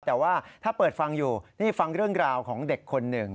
แต่ว่าถ้าเปิดฟังอยู่นี่ฟังเรื่องราวของเด็กคนหนึ่ง